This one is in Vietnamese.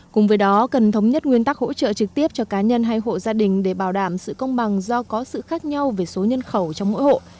cùng với đó cần thống nhất nguyên tắc hỗ trợ trực tiếp cho cá nhân hay hộ gia đình để bảo đảm sự công bằng do có sự khác nhau về số nhân khẩu trong mỗi hộ